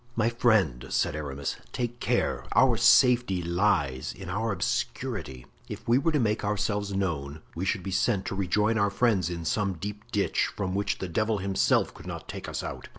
"My friend," said Aramis, "take care; our safety lies in our obscurity. If we were to make ourselves known we should be sent to rejoin our friends in some deep ditch, from which the devil himself could not take us out.